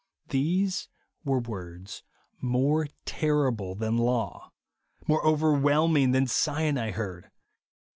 These were words more terrible than law ; more overwhelming than Sinai heard.